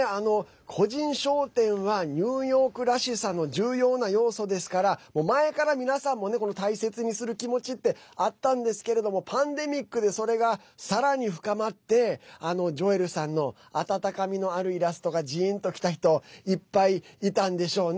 個人商店はニューヨークらしさの重要な要素ですから前から皆さんもこの大切にする気持ちってあったんですけれどもパンデミックでそれが、さらに深まってジョエルさんの温かみのあるイラストがジーンときた人いっぱい、いたんでしょうね。